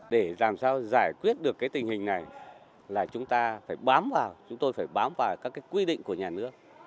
để làm sao giải quyết được tình hình này chúng ta phải bám vào các quy định của nhà nước